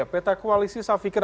peta koalisi saya pikir